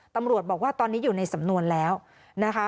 ตำรวจบอกว่าตอนนี้อยู่ในสำนวนแล้วนะคะ